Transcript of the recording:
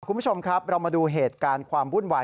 คุณผู้ชมครับเรามาดูเหตุการณ์ความวุ่นวาย